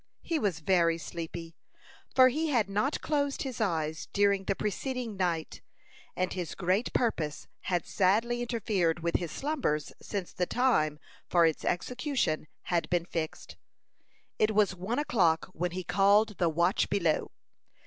He was very sleepy, for he had not closed his eyes during the preceding night, and his great purpose had sadly interfered with his slumbers since the time for its execution had been fixed. It was one o'clock when he called the "watch below."